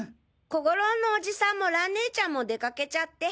小五郎のおじさんも蘭ねえちゃんも出かけちゃって。